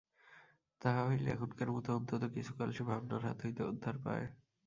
তাহা হইলে এখনকার মতো অন্তত কিছুকাল সে ভাবনার হাত হইতে উদ্ধার পায়।